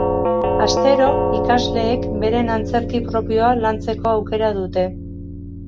Astero ikasleek beren antzerki propioa lantzeko aukera dute.